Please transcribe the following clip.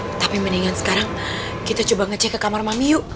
tetapi mendingan sekarang kita coba ngecek ke kamar mami yuk